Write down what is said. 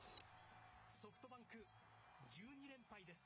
ソフトバンク、１２連敗です。